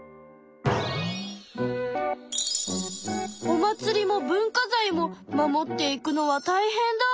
お祭りも文化財も守っていくのはたいへんだ！